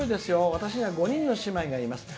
「私には５人の姉妹がいます。